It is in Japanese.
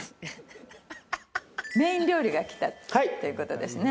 メイン料理がきたという事ですね。